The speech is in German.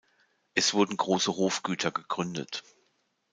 Es wurden große Hofgüter gegründet.